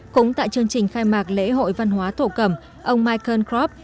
cũng tại chương trình khai mạc lễ hội văn hóa thổ cẩm ông michael kropp